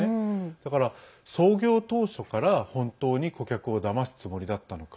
だから、創業当初から本当に顧客をだますつもりだったのか。